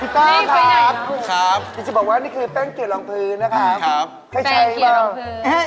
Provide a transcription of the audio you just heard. พี่ต้องครับพี่จะบอกว่านี่คือแป้งเกียร์รองพื้นนะครับใช่ใช่หรือเปล่าแป้งเกียร์รองพื้น